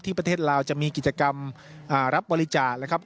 ประเทศลาวจะมีกิจกรรมรับบริจาคนะครับ